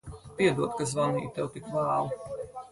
Piedod, ka zvanīju tev tik vēlu.